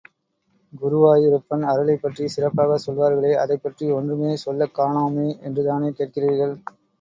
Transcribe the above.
குருவாயூரப்பன் அருளைப் பற்றி சிறப்பாகச் சொல்வார்களே, அதைப்பற்றி ஒன்றுமே சொல்லக் காணோமே என்றுதானே கேட்கிறீர்கள்.